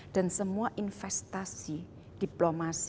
dan semua investasi diplomasi